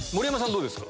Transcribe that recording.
どうですか？